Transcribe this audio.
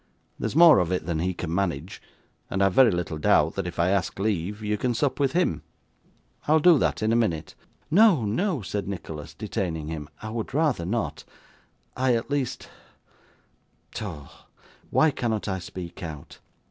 There's more of it than he can manage, and I have very little doubt that if I ask leave, you can sup with him. I'll do that, in a minute.' 'No, no,' said Nicholas, detaining him. 'I would rather not. I at least pshaw! why cannot I speak out?